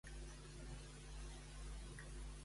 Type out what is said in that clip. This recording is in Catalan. Què ha recriminat Riera?